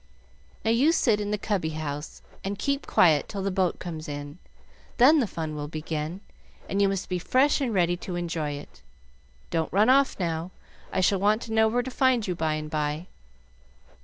"Now, you sit in the cubby house, and keep quiet till the boat comes in. Then the fun will begin, and you must be fresh and ready to enjoy it. Don't run off, now, I shall want to know where to find you by and by."